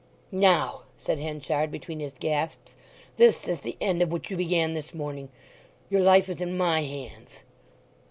"Now," said Henchard between his gasps, "this is the end of what you began this morning. Your life is in my hands."